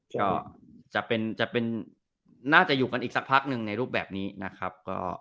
ก็จะเป็นน่าจะอยู่กันอีกสักพักหนึ่งในรูปแบบนี้นะครับ